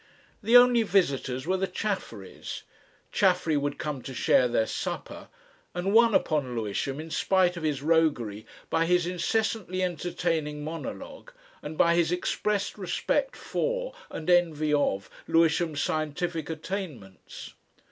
The only visitors were the Chafferys. Chaffery would come to share their supper, and won upon Lewisham in spite of his roguery by his incessantly entertaining monologue and by his expressed respect for and envy of Lewisham's scientific attainments.